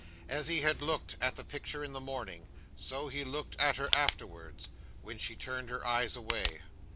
As he had looked at the picture in the morning, so he looked at her afterwards, when she turned her eyes away.